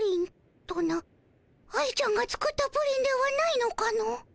愛ちゃんが作ったプリンではないのかの？